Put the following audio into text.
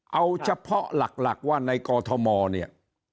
เอาเฉพาะหลักว่าในกอทมเนี่ย